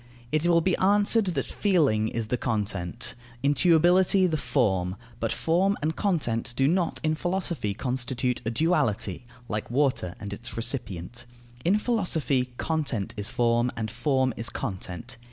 It will be answered that feeling is the content, intuibility the form; but form and content do not in philosophy constitute a duality, like water and its recipient; in philosophy content is form, and form is content.